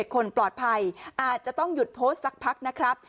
คนปลอดภัยอาจจะต้องหยุดโพสต์สักพักนะครับ